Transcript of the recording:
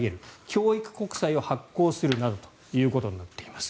教育国債を発行するなどということになっています。